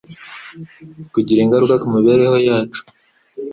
kugira ingaruka ku mibereho yacu